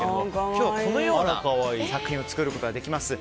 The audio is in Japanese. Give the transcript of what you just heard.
今日、このような作品を作ることができます。